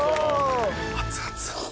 熱々。